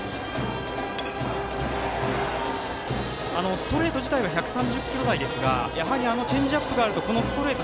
ストレート自体は１３０キロ台ですがやはりチェンジアップがあるとストレート